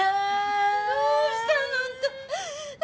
どうしたのあんた